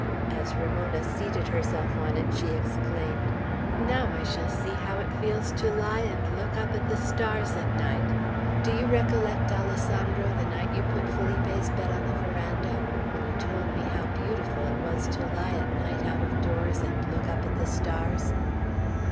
As Ramona seated herself on it, she exclaimed: "Now I shall see how it feels to lie and look up at the stars at night! Do you recollect, Alessandro, the night you put Felipe's bed on the veranda, when you told me how beautiful it was to lie at night out of doors and look up at the stars?"